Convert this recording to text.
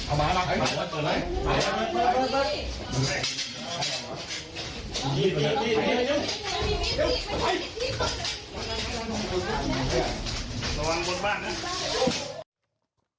เอาเดี๋ยว